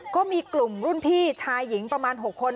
ก็มีกลุ่มรุ่นพี่ชายหญิงประมาณ๖คน